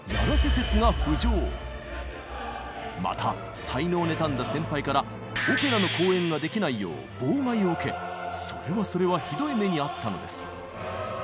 また才能を妬んだ先輩からオペラの公演ができないよう妨害を受けそれはそれはひどい目に遭ったのです。